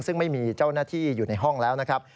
ซึ่งไม่มีเจ้าหน้าที่อยู่ในห้องแล้วนะครับ